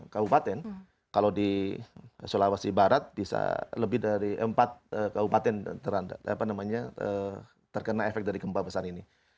kabupaten kalau di sulawesi barat bisa lebih dari empat kabupaten terkena efek dari gempa besar ini